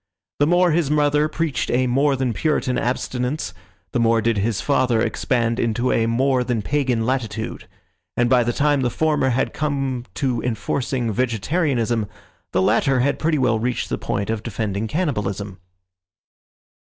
The more his mother preached a more than Puritan abstinence the more did his father expand into a more than pagan latitude; and by the time the former had come to enforcing vegetarianism, the latter had pretty well reached the point of defending cannibalism.